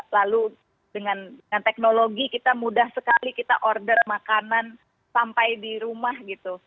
lalu dengan teknologi kita mudah sekali kita order makanan sampai di rumah gitu